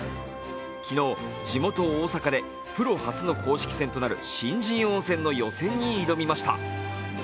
昨日地元・大阪でプロ初の公式戦となる新人王の予選に挑みました。